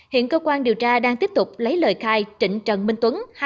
hiện cơ quan điều tra đang tiếp tục lấy lời khai trịnh trần minh tuấn